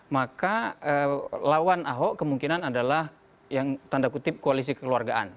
maka lawan ahok kemungkinan adalah yang tanda kutip koalisi kekeluargaan